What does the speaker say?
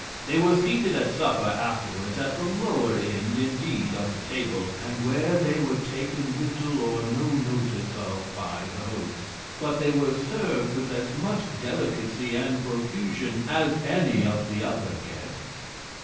They were seated at Supper afterwards at the lower End, indeed, of the Table, and where they were taken little or no Notice of by the Host; but they were serv'd with as much Delicacy and Profusion, as any of the other Guests.